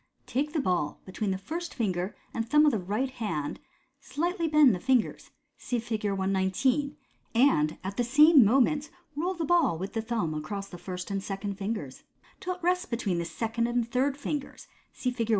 Take the ball be tween the first finger and thumb of the right hand 5 slightly bend the fingers (see Fig. 119), and at the same moment roll the ball with the thumb across the first and second fingers, till it rests between the second and third fingers (see Fig.